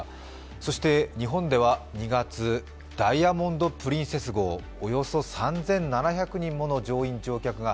そして日本では２月、「ダイヤモンド・プリンセス」号およそ３７００人もの乗員・乗客が